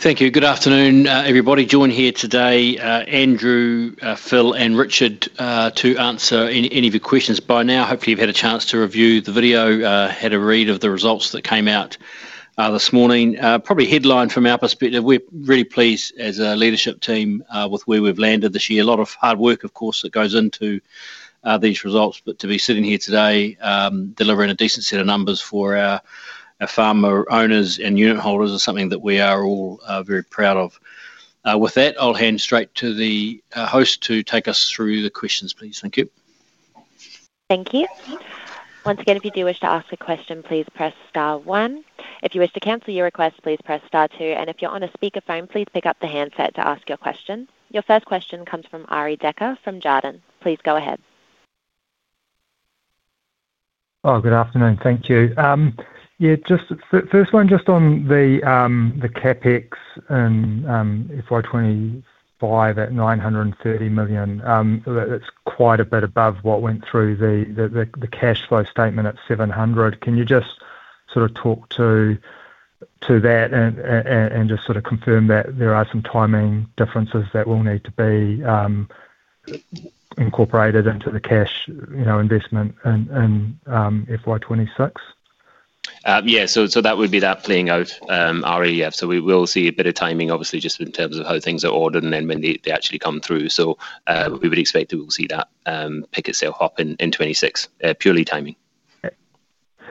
Thank you. Good afternoon, everybody. Joined here today, Andrew, Phil, and Richard to answer any of your questions by now. Hopefully, you've had a chance to review the video, had a read of the results that came out this morning. Probably a headline from our perspective. We're really pleased as a leadership team with where we've landed this year. A lot of hard work, of course, that goes into these results. To be sitting here today delivering a decent set of numbers for our farmer owners and unit holders is something that we are all very proud of. With that, I'll hand straight to the host to take us through the questions, please. Thank you. Thank you. Once again, if you do wish to ask a question, please press star one. If you wish to cancel your request, please press star two. If you're on a speaker phone, please pick up the handset to ask your question. Your first question comes from Ari Decker from Jarden. Please go ahead. Oh, good afternoon. Thank you. Yeah, just the first one just on the CapEx in FY2025 at $930 million. That's quite a bit above what went through the cash flow statement at $700 million. Can you just sort of talk to that and just sort of confirm that there are some timing differences that will need to be incorporated into the cash investment in FY2026? Yeah, that would be that playing out, REF. We will see a bit of timing, obviously, just in terms of how things are ordered and when they actually come through. We would expect we will see that pick itself up in 2026, purely timing.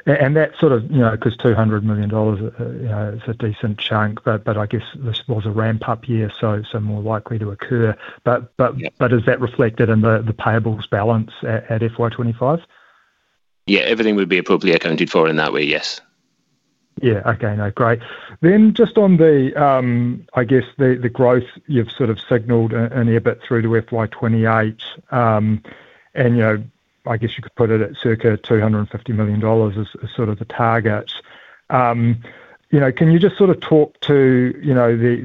That sort of, you know, because $200 million, you know, it's a decent chunk. I guess this was a ramp-up year, so more likely to occur. Is that reflected in the payables balance at FY2025? Yeah, everything would be appropriately accounted for in that way, yes. Yeah, okay, great. Just on the growth you've sort of signaled in EBIT through to FY2028, you could put it at circa $250 million as sort of a target. Can you just talk to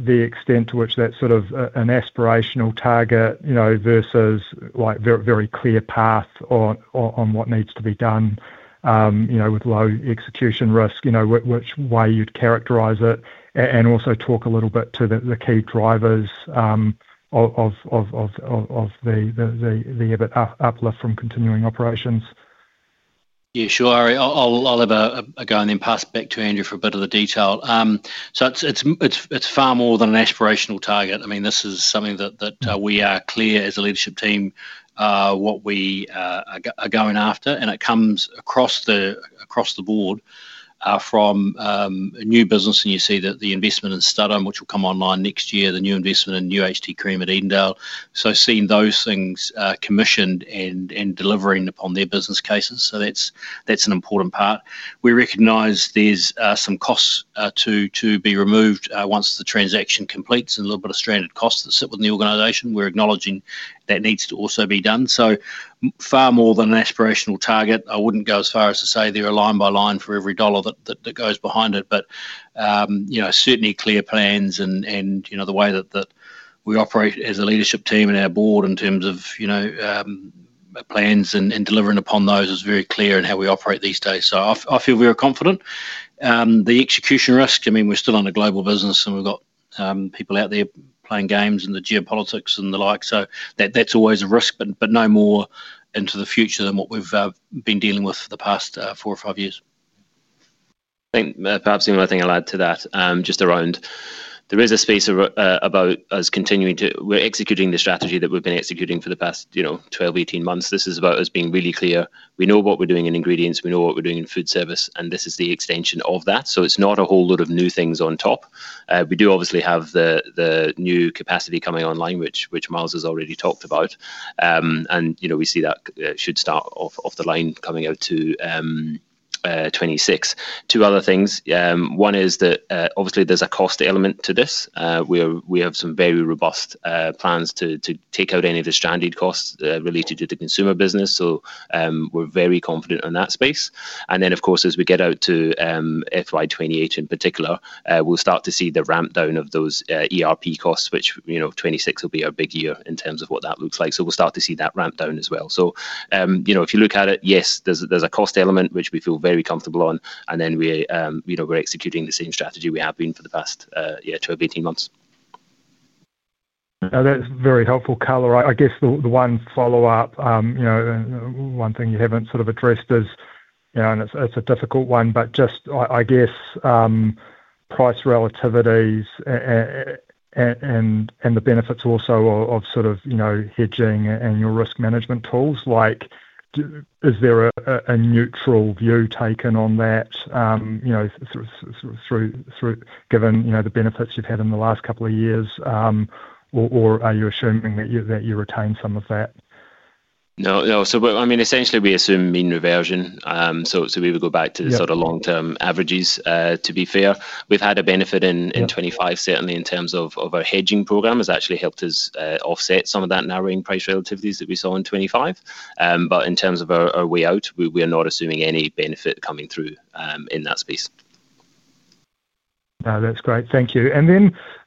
the extent to which that's sort of an aspirational target versus a very clear path on what needs to be done, with low execution risk, which way you'd characterize it? Also, talk a little bit to the key drivers of the EBIT uplift from continuing operations. Yeah, sure, Ari. I'll have a go and then pass back to Andrew for a bit of the detail. It's far more than an aspirational target. This is something that we are clear as a leadership team what we are going after. It comes across the board from a new business. You see that the investment in Studholme, which will come online next year, the new investment in new HT cream at Edendale. Seeing those things commissioned and delivering upon their business cases is an important part. We recognize there's some costs to be removed once the transaction completes and a little bit of stranded costs that sit within the organization. We're acknowledging that needs to also be done. Far more than an aspirational target. I wouldn't go as far as to say they're a line by line for every dollar that goes behind it, but certainly clear plans and the way that we operate as a leadership team and our board in terms of plans and delivering upon those is very clear in how we operate these days. I feel very confident. The execution risk, I mean, we're still on a global business and we've got people out there playing games in the geopolitics and the like. That's always a risk, but no more into the future than what we've been dealing with for the past four or five years. Thanks. Perhaps the only thing I'll add to that, just around the business space about us continuing to, we're executing the strategy that we've been executing for the past, you know, 12, 18 months. This is about us being really clear. We know what we're doing in ingredients. We know what we're doing in food service. This is the extension of that. It's not a whole lot of new things on top. We do obviously have the new capacity coming online, which Miles has already talked about. We see that should start off the line coming out to 2026. Two other things. One is that obviously there's a cost element to this. We have some very robust plans to take out any of the stranded costs related to the consumer business. We're very confident in that space. As we get out to FY2028 in particular, we'll start to see the ramp down of those ERP costs, which, you know, 2026 will be a big year in terms of what that looks like. We'll start to see that ramp down as well. If you look at it, yes, there's a cost element, which we feel very comfortable on. We're executing the same strategy we have been for the past, yeah, 12, 18 months. That's very helpful, Kyle. I guess the one follow-up, one thing you haven't sort of addressed is, and it's a difficult one, but just I guess price relativities and the benefits also of hedging and your risk management tools. Is there a neutral view taken on that, given the benefits you've had in the last couple of years? Or are you assuming that you retain some of that? No, no. Essentially, we assume in reversion. We would go back to the sort of long-term averages, to be fair. We've had a benefit in 2025, certainly in terms of our hedging program. It's actually helped us offset some of that narrowing price relativities that we saw in 2025. In terms of our way out, we're not assuming any benefit coming through in that space. That's great. Thank you.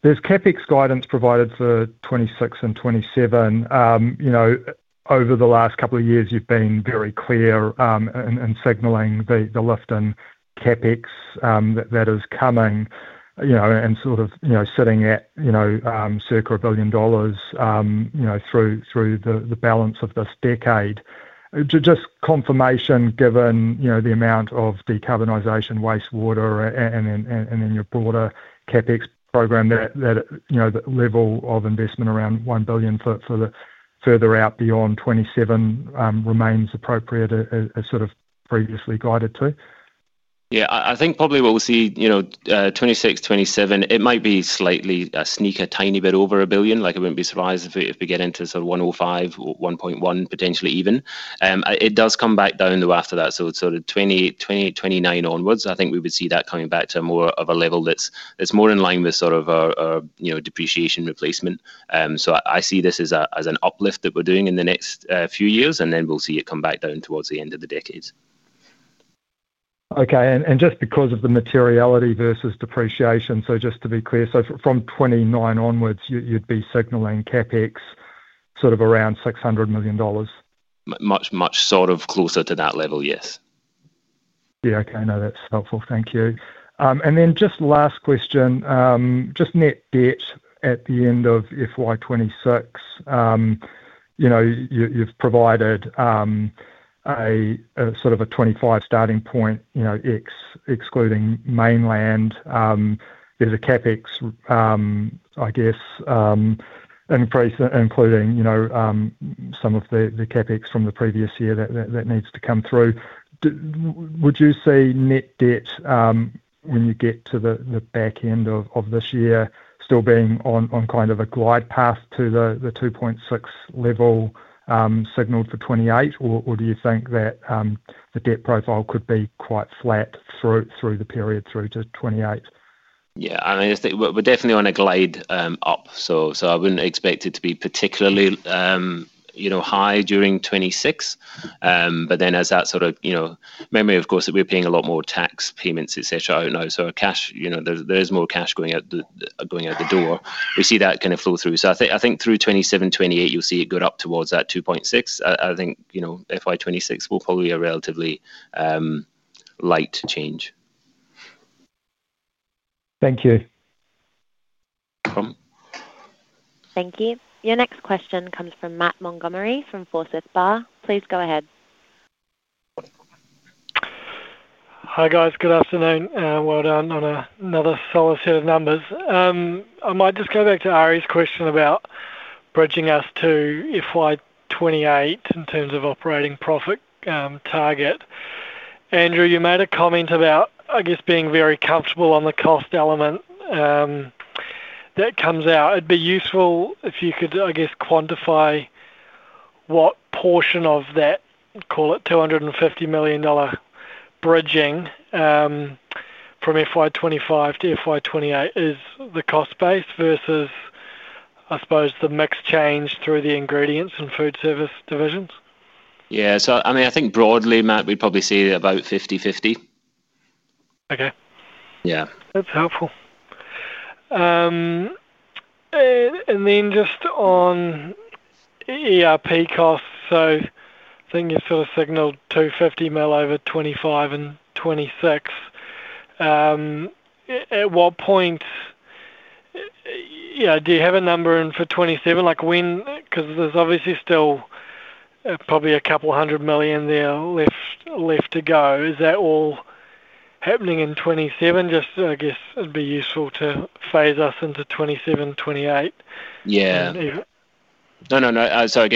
There's CapEx guidance provided for 2026 and 2027. Over the last couple of years, you've been very clear in signaling the lift in CapEx that is coming, sort of sitting at circa $1 billion through the balance of this decade. Just confirmation, given the amount of decarbonization, wastewater, and then your broader CapEx program, that the level of investment around $1 billion for the further out beyond 2027 remains appropriate as previously guided to. Yeah, I think probably what we'll see, you know, 2026, 2027, it might be slightly a sneak, a tiny bit over $1 billion. Like I wouldn't be surprised if we get into sort of $1.05, $1.1 billion potentially even. It does come back down though after that. For 2028, 2029 onwards, I think we would see that coming back to more of a level that's more in line with sort of our, you know, depreciation replacement. I see this as an uplift that we're doing in the next few years, and then we'll see it come back down towards the end of the decade. Okay. Just because of the materiality versus depreciation, just to be clear, from 2029 onwards, you'd be signaling CapEx sort of around $600 million? Much closer to that level, yes. Yeah, okay. No, that's helpful. Thank you. Just last question, just net debt at the end of FY2026. You've provided a sort of 2025 starting point, excluding Mainland. There's a CapEx, I guess, increase, including some of the CapEx from the previous year that needs to come through. Would you see net debt when you get to the back end of this year still being on kind of a glide path to the $2.6 billion level signaled for 2028, or do you think that the debt profile could be quite flat through the period through to 2028? Yeah, I mean, we're definitely on a glide up. I wouldn't expect it to be particularly high during 2026, but as that sort of, you know, memory, of course, that we're paying a lot more tax payments, et cetera, so cash, you know, there's more cash going out the door. We see that kind of flow through. I think through 2027, 2028, you'll see it go up towards that $2.6. I think, you know, FY2026 will probably be a relatively light change. Thank you. Thank you. Your next question comes from Matt Montgomerie from Forsyth Barr. Please go ahead. Hi guys, good afternoon. Well done on another solid set of numbers. I might just go back to Ari's question about bridging us to FY2028 in terms of operating profit target. Andrew, you made a comment about, I guess, being very comfortable on the cost element. That comes out. It'd be useful if you could, I guess, quantify what portion of that, call it $250 million bridging from FY2025 to FY2028, is the cost base versus, I suppose, the mix change through the ingredients and food service divisions? Yeah, so I mean, I think broadly, Matt, we'd probably see about 50-50. Okay. Yeah. That's helpful. Just on ERP costs, I think you've sort of signaled $250 million over 2025 and 2026. At what point do you have a number in for 2027? Because there's obviously still probably a couple hundred million there left to go. Is that all happening in 2027? I guess it'd be useful to phase us into 2027, 2028. I get where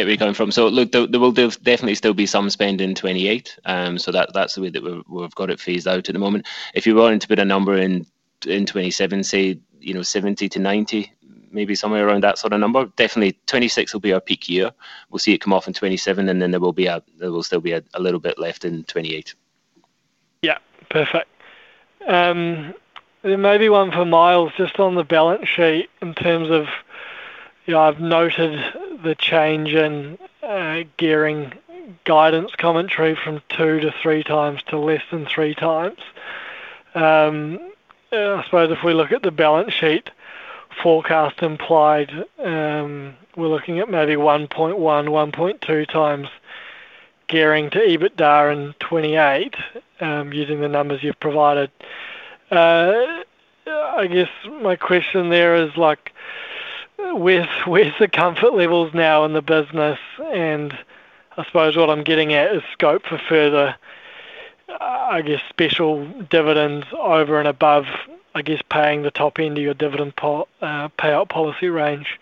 you're coming from. There will definitely still be some spend in 2028. That's the way that we've got it phased out at the moment. If you wanted to put a number in 2027, say, you know, $70 million to $90 million, maybe somewhere around that sort of number. Definitely 2026 will be our peak year. We'll see it come off in 2027, and then there will still be a little bit left in 2028. Yeah, perfect. There may be one for Miles, just on the balance sheet in terms of, you know, I've noted the change in gearing guidance coming through from two to three times to less than three times. I suppose if we look at the balance sheet forecast implied, we're looking at maybe 1.1, 1.2 times gearing to EBITDA in 2028, using the numbers you've provided. I guess my question there is like, where's the comfort levels now in the business? I suppose what I'm getting at is scope for further, I guess, special dividends over and above, I guess, paying the top end of your dividend payout policy range.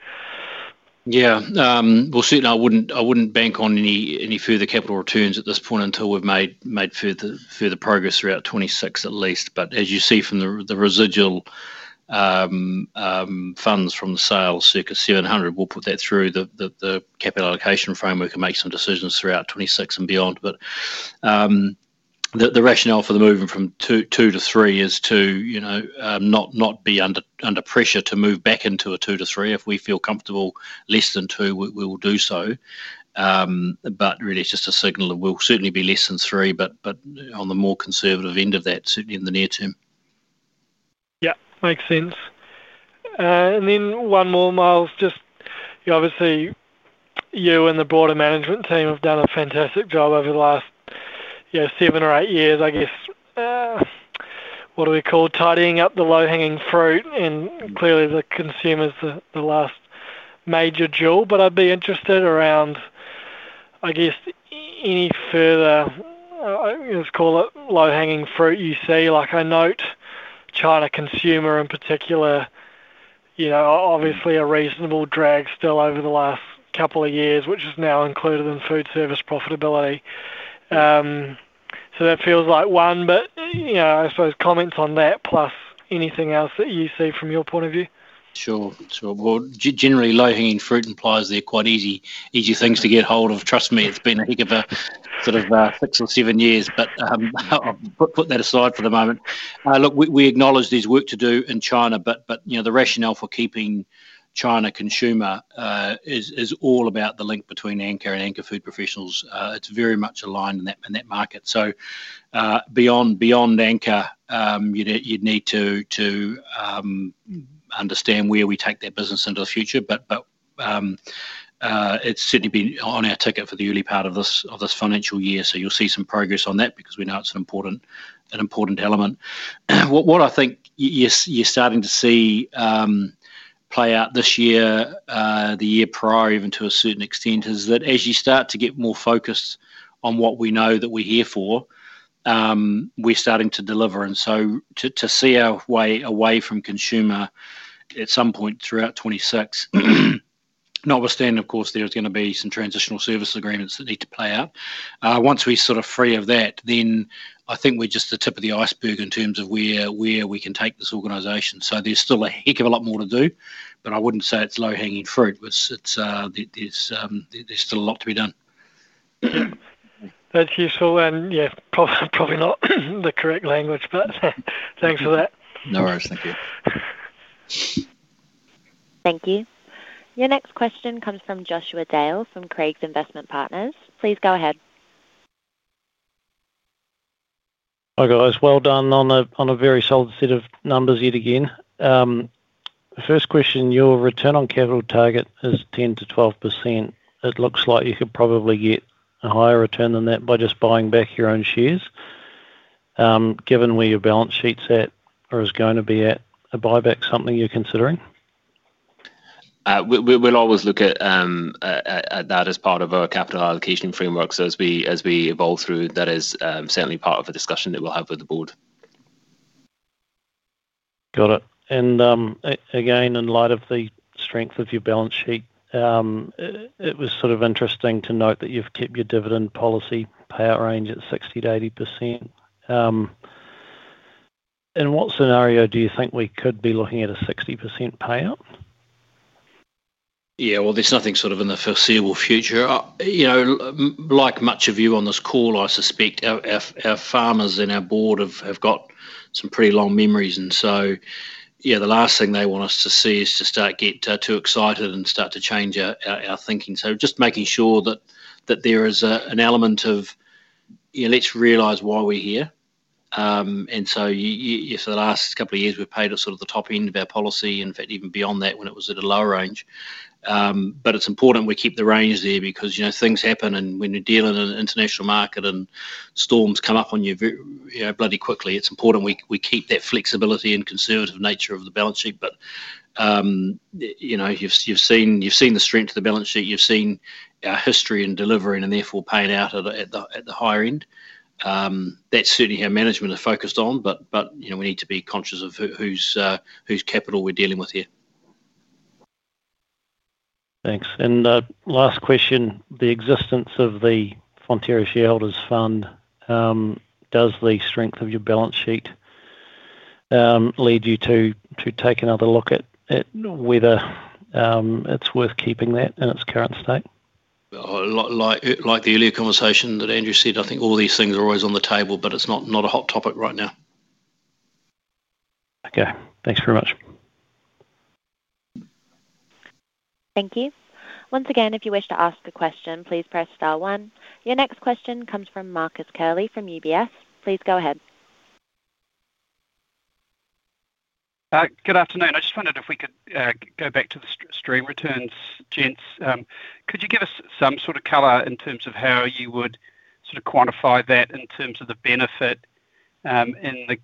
I wouldn't bank on any further capital returns at this point until we've made further progress throughout 2026 at least. As you see from the residual funds from the sales, circa $700 million, we'll put that through the capital allocation framework and make some decisions throughout 2026 and beyond. The rationale for the movement from two to three is to not be under pressure to move back into a two to three. If we feel comfortable less than two, we will do so. It's just a signal that we'll certainly be less than three, but on the more conservative end of that, certainly in the near term. Yeah, makes sense. One more, Miles, you and the broader management team have done a fantastic job over the last seven or eight years, I guess. What do we call tidying up the low-hanging fruit? Clearly, the consumer's the last major jewel. I'd be interested around any further, let's call it low-hanging fruit you see. I note China consumer in particular, obviously a reasonable drag still over the last couple of years, which is now included in food service profitability. That feels like one, but I suppose comments on that plus anything else that you see from your point of view. Sure. Generally, low-hanging fruit implies they're quite easy, easy things to get hold of. Trust me, it's been a heck of a sort of six or seven years, but I'll put that aside for the moment. Look, we acknowledge there's work to do in China, but you know, the rationale for keeping China consumer is all about the link between Anchor and Anchor Food Professionals. It's very much aligned in that market. Beyond Anchor, you'd need to understand where we take that business into the future. It's certainly been on our ticket for the early part of this financial year. You'll see some progress on that because we know it's an important element. What I think you're starting to see play out this year, the year prior even to a certain extent, is that as you start to get more focused on what we know that we're here for, we're starting to deliver. To see our way away from consumer at some point throughout 2026, notwithstanding, of course, there's going to be some transitional service agreements that need to play out. Once we're sort of free of that, then I think we're just the tip of the iceberg in terms of where we can take this organization. There's still a heck of a lot more to do, but I wouldn't say it's low-hanging fruit. There's still a lot to be done. Thank you, Phil. Yeah, costs are probably not the correct language, but thanks for that. No worries. Thank you. Thank you. Your next question comes from Joshua Dale from Craigs Investment Partners Limited. Please go ahead. Hi guys, well done on a very solid set of numbers yet again. The first question, your return on capital target is 10 to 12%. It looks like you could probably get a higher return than that by just buying back your own shares. Given where your balance sheet's at or is going to be at, is a buyback something you're considering? We'll always look at that as part of our capital allocation frameworks as we evolve through. That is certainly part of a discussion that we'll have with the board. Got it. Again, in light of the strength of your balance sheet, it was sort of interesting to note that you've kept your dividend policy payout range at 60% to 80%. In what scenario do you think we could be looking at a 60% payout? Yeah, there's nothing sort of in the foreseeable future. You know, like much of you on this call, I suspect our farmers and our board have got some pretty long memories. The last thing they want us to see is to start to get too excited and start to change our thinking. Just making sure that there is an element of, you know, let's realize why we're here. Yes, the last couple of years we've paid sort of the top end of our policy, in fact, even beyond that when it was at a lower range. It's important we keep the range there because, you know, things happen and when you're dealing in an international market and storms come up on you, you know, bloody quickly, it's important we keep that flexibility and conservative nature of the balance sheet. You know, you've seen the strength of the balance sheet. You've seen our history in delivering and therefore paying out at the higher end. That's certainly how management is focused on, but, you know, we need to be conscious of whose capital we're dealing with here. Thanks. Last question, the existence of the Fonterra Shareholders Fund, does the strength of your balance sheet lead you to take another look at whether it's worth keeping that in its current state? Like the earlier conversation that Andrew said, I think all these things are always on the table, but it's not a hot topic right now. Okay, thanks very much. Thank you. Once again, if you wish to ask a question, please press star one. Your next question comes from Marcus Curley from UBS. Please go ahead. Good afternoon. I just wondered if we could go back to the stream returns, Jens. Could you give us some sort of color in terms of how you would sort of quantify that in terms of the benefit in the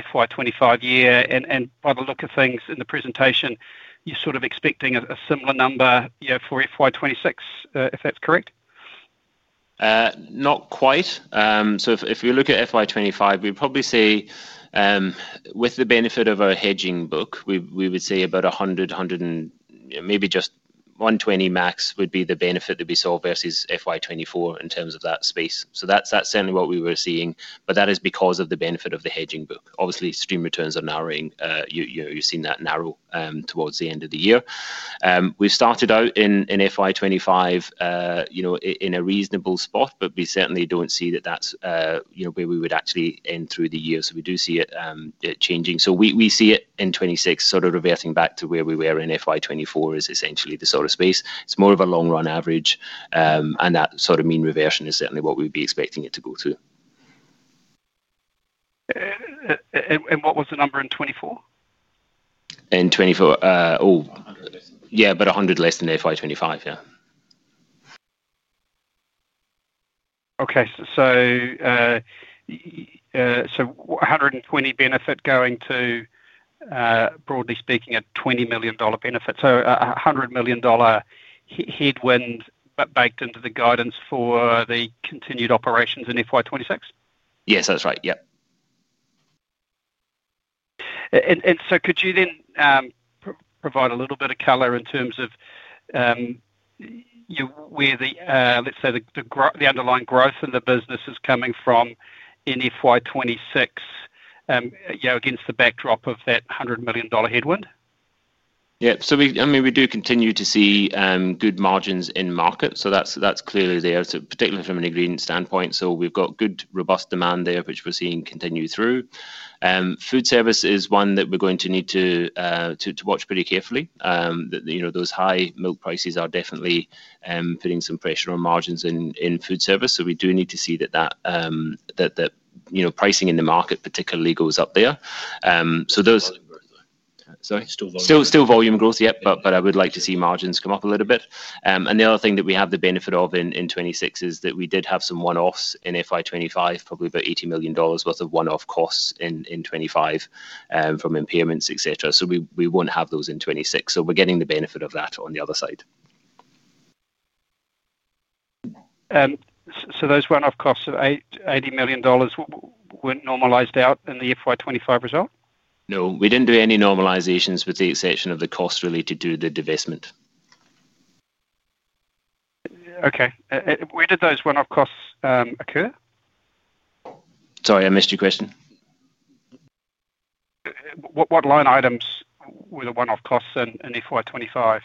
FY2025 year? By the look of things in the presentation, you're sort of expecting a similar number for FY2026, if that's correct? Not quite. If you look at FY2025, we'd probably see, with the benefit of our hedging book, we would see about $100 million, $100 million, and maybe just $120 million max would be the benefit that we saw versus FY2024 in terms of that space. That's certainly what we were seeing. That is because of the benefit of the hedging book. Obviously, stream returns are narrowing. You're seeing that narrow towards the end of the year. We've started out in FY2025 in a reasonable spot, but we certainly don't see that that's where we would actually end through the year. We do see it changing. We see it in 2026 sort of reversing back to where we were in FY2024, essentially the sort of space. It's more of a long-run average, and that sort of mean reversion is certainly what we'd be expecting it to go through. What was the number in 2024? In 2024, yeah, about 100 less than FY2025, yeah. Okay, so $120 million benefit going to, broadly speaking, a $20 million benefit. A $100 million headwind, but baked into the guidance for the continued operations in FY2026? Yes, that's right. Yep. Could you then provide a little bit of color in terms of where the, let's say, the underlying growth in the business is coming from in FY2026, you know, against the backdrop of that $100 million headwind? Yeah, we do continue to see good margins in market. That's clearly there, particularly from an ingredient standpoint. We've got good, robust demand there, which we're seeing continue through. Food service is one that we're going to need to watch pretty carefully. Those high milk prices are definitely putting some pressure on margins in food service. We do need to see that pricing in the market particularly goes up there. Still volume growth, yep, but I would like to see margins come up a little bit. The other thing that we have the benefit of in 2026 is that we did have some one-offs in FY2025, probably about $80 million worth of one-off costs in 2025 from impairments, et cetera. We won't have those in 2026. We're getting the benefit of that on the other side. Those one-off costs of $80 million weren't normalized out in the FY2025 result? No, we didn't do any normalizations with the exception of the costs related to the divestment. Okay. Where did those one-off costs occur? Sorry, I missed your question. What line items were the one-off costs in FY2025? Oh,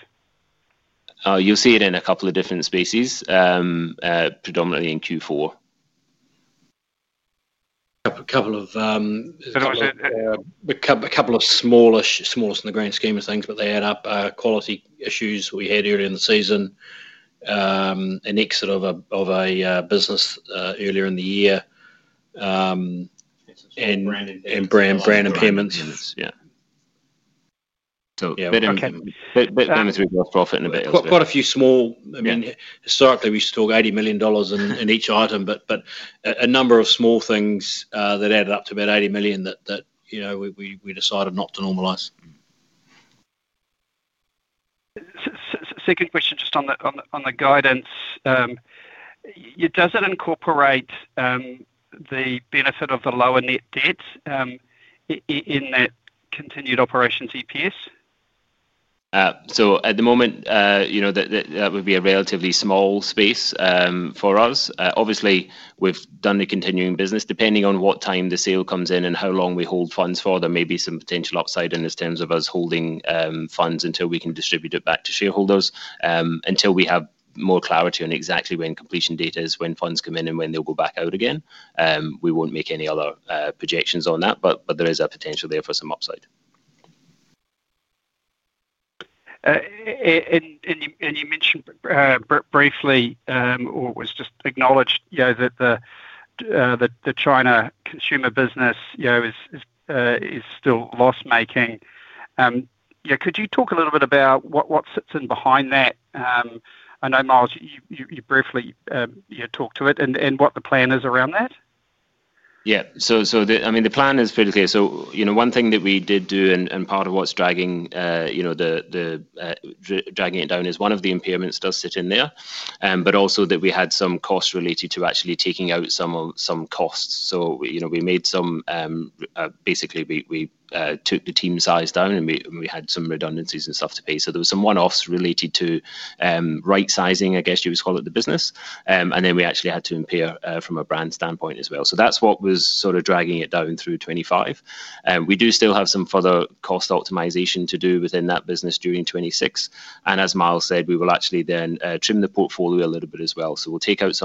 you'll see it in a couple of different species, predominantly in Q4. A couple of smallish, smallest in the grand scheme of things, but they add up, quality issues we had earlier in the season, an exit of a business earlier in the year, and brand impairments. That happens with our profit in a bit. Quite a few small, I mean, certainly we used to talk $80 million in each item, but a number of small things that added up to about $80 million that, you know, we decided not to normalize. Second question, just on the guidance. Does it incorporate the benefit of the lower net debt in that continued operations EPS? At the moment, you know, that would be a relatively small space for us. Obviously, we've done the continuing business. Depending on what time the sale comes in and how long we hold funds for, there may be some potential upside in terms of us holding funds until we can distribute it back to shareholders until we have more clarity on exactly when completion date is, when funds come in, and when they'll go back out again. We won't make any other projections on that, but there is a potential there for some upside. You mentioned briefly, or it was just acknowledged, that the China consumer business is still loss-making. Could you talk a little bit about what sits in behind that? I know, Miles, you briefly talked to it and what the plan is around that. Yeah, the plan is pretty clear. One thing that we did do, and part of what's dragging it down, is one of the impairments does sit in there, but also that we had some costs related to actually taking out some costs. We made some, basically we took the team size down and we had some redundancies and stuff to pay. There were some one-offs related to right sizing, I guess you would call it, the business. We actually had to impair from a brand standpoint as well. That's what was sort of dragging it down through 2025. We do still have some further cost optimization to do within that business during 2026. As Miles said, we will actually then trim the portfolio a little bit as well. We'll take out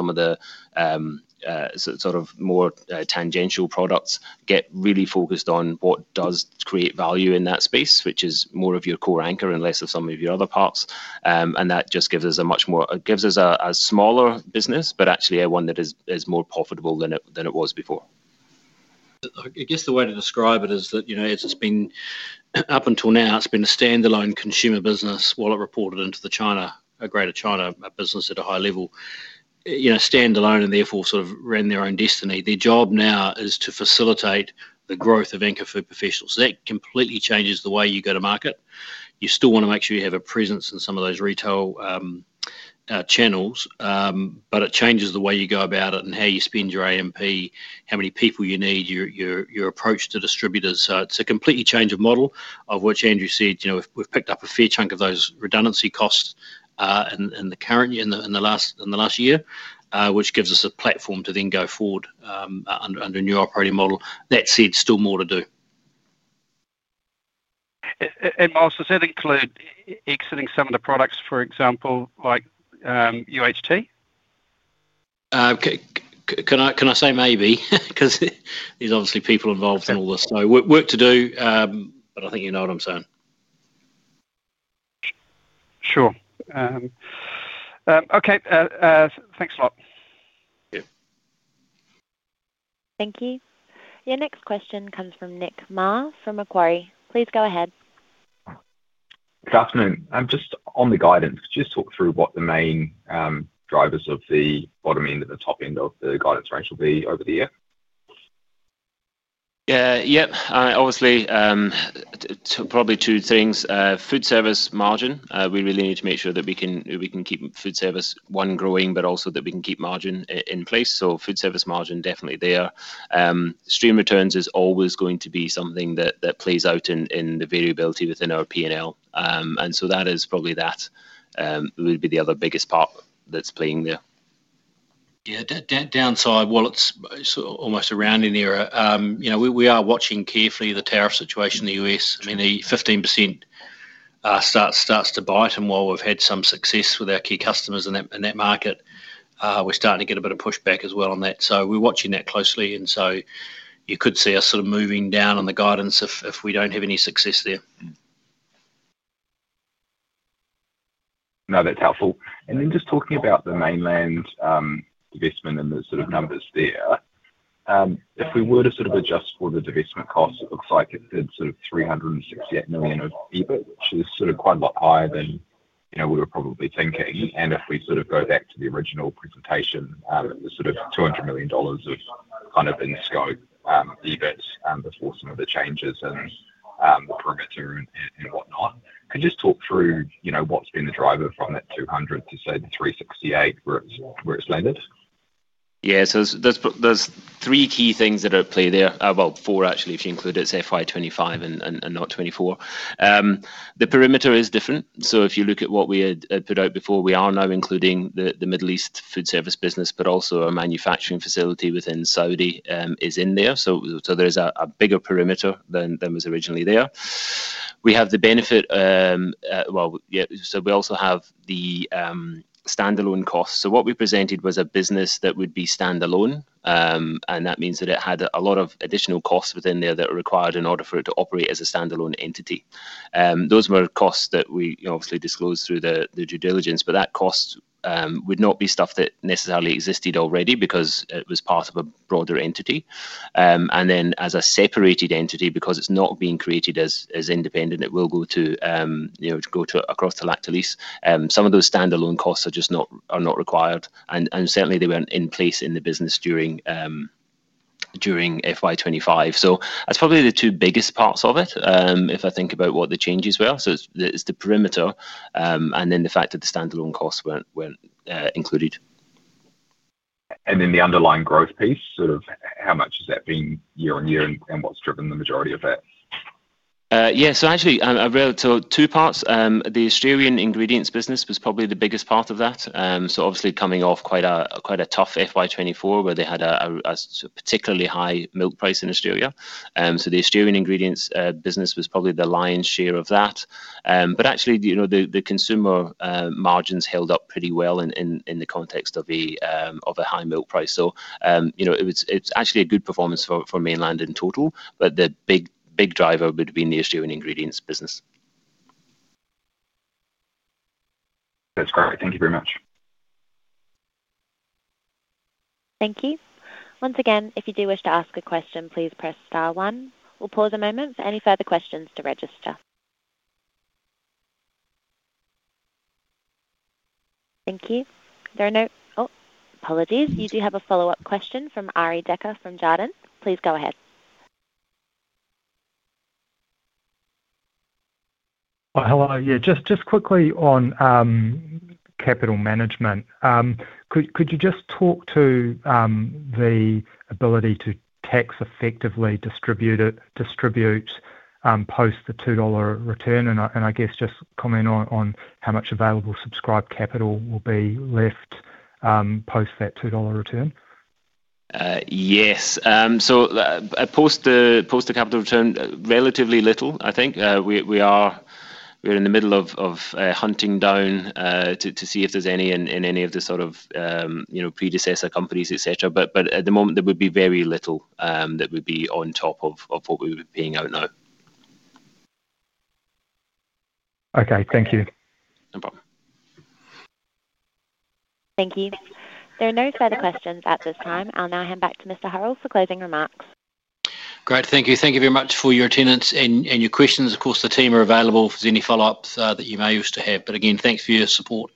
some of the more tangential products, get really focused on what does create value in that space, which is more of your core Anchor and less of some of your other parts. That just gives us a much more, gives us a smaller business, but actually one that is more profitable than it was before. I guess the way to describe it is that, you know, as it's been up until now, it's been a standalone consumer business while it reported into the Greater China business at a high level. You know, standalone and therefore sort of ran their own destiny. Their job now is to facilitate the growth of Anchor Food Professionals. That completely changes the way you go to market. You still want to make sure you have a presence in some of those retail channels, but it changes the way you go about it and how you spend your AMP, how many people you need, your approach to distributors. It's a completely change of model of which Andrew said, you know, we've picked up a fair chunk of those redundancy costs in the current, in the last year, which gives us a platform to then go forward under a new operating model. That said, still more to do. Miles, does that include exiting some of the products, for example, like UHT? Can I say maybe? There's obviously people involved in all this. Work to do, but I think you know what I'm saying. Sure. Okay, thanks a lot. Thank you. Your next question comes from Nick Marr from Macquarie. Please go ahead. Good afternoon. I'm just on the guidance. Could you just talk through what the main drivers of the bottom end and the top end of the guidance range will be over the year? Yeah, obviously, probably two things. Food service margin, we really need to make sure that we can keep food service, one, growing, but also that we can keep margin in place. Food service margin definitely there. Stream returns is always going to be something that plays out in the variability within our P&L. That is probably, that would be the other biggest part that's playing there. Yeah, that downside while it's almost around in the area, you know, we are watching carefully the tariff situation in the U.S. I mean, the 15% starts to bite, and while we've had some success with our key customers in that market, we're starting to get a bit of pushback as well on that. We're watching that closely, and you could see us sort of moving down on the guidance if we don't have any success there. No, that's helpful. Just talking about the Mainland investment and the sort of numbers there, if we were to adjust for the divestment cost, it looks like it's $368 million of EBIT. It's quite a lot higher than, you know, we were probably thinking. If we go back to the original presentation, it was $200 million of kind of in-scope EBIT before some of the changes and the perimeter and whatnot. Could you just talk through what's been the driver from that $200 million to, say, the $368 million where it's landed? Yeah, so there's three key things that are at play there. Four actually, if you include it's FY25 and not 2024. The perimeter is different. If you look at what we had put out before, we are now including the Middle East food service business, but also a manufacturing facility within Saudi is in there. There is a bigger perimeter than was originally there. We have the benefit, yeah, we also have the standalone costs. What we presented was a business that would be standalone. That means that it had a lot of additional costs within there that are required in order for it to operate as a standalone entity. Those were costs that we obviously disclosed through the due diligence, but that cost would not be stuff that necessarily existed already because it was part of a broader entity. As a separated entity, because it's not being created as independent, it will go to, you know, go to across the lack to lease. Some of those standalone costs are just not required. Certainly they weren't in place in the business during FY25. That's probably the two biggest parts of it if I think about what the changes were. It's the perimeter and then the fact that the standalone costs weren't included. The underlying growth piece, sort of how much has that been year on year, and what's driven the majority of it? Yeah, actually two parts. The Australian ingredients business was probably the biggest part of that. Obviously, coming off quite a tough FY2024 where they had a particularly high milk price in Australia, the Australian ingredients business was probably the lion's share of that. Actually, the consumer margins held up pretty well in the context of a high milk price. It was actually a good performance for Mainland in total, but the big driver would be the Australian ingredients business. That's great. Thank you very much. Thank you. Once again, if you do wish to ask a question, please press star one. We'll pause a moment for any further questions to register. Thank you. Apologies, you do have a follow-up question from Ari Decker from Jarden. Please go ahead. Hello. Yeah, just quickly on capital management. Could you just talk to the ability to tax effectively distribute post the $2 return? I guess just comment on how much available subscribed capital will be left post that $2 return? Yes. Post the capital return, relatively little, I think. We are in the middle of hunting down to see if there's any in any of the sort of, you know, predecessor companies, et cetera. At the moment, there would be very little that would be on top of what we're paying out now. Okay, thank you. No problem. Thank you. There are no further questions at this time. I'll now hand back to Mr. Hurrell for closing remarks. Great, thank you. Thank you very much for your attendance and your questions. Of course, the team are available if there's any follow-ups that you may wish to have. Again, thanks for your support.